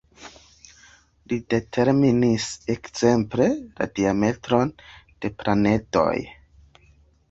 Li determinis ekzemple, la diametron de planedoj.